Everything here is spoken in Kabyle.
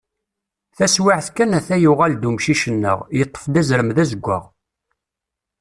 Taswiɛt kan ata yuɣal-d umcic-nneɣ, yeṭṭef-d azrem d azeggaɣ.